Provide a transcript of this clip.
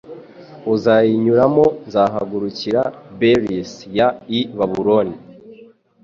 uzayinyuramo Nzahagurukira Belis y i Babuloni